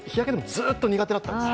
ずーっと苦手だったんです